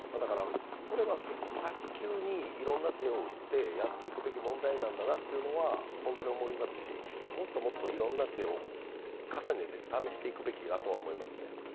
これは早急にやっていくべき問題なんだなというのは思いますしもっともっといろいろな手を重ねて試していくべきだとは思いますね。